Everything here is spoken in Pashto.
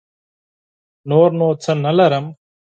نور نو څه نه لرم.